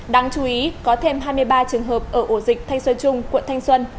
đáng chú ý có thêm hai mươi ba trường hợp ở ổ dịch thanh xuân trung quận thanh xuân